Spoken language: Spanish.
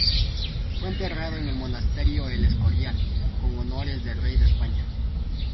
Fue enterrado en el Monasterio de El Escorial, con honores de rey de España.